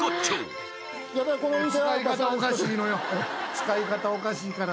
使い方おかしいから。